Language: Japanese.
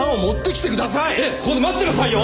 ええここで待ってなさいよ！